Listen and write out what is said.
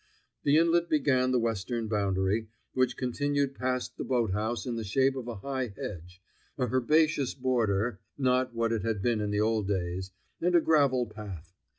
The inlet began the western boundary, which continued past the boat house in the shape of a high hedge, a herbaceous border (not what it had been in the old days), and a gravel path.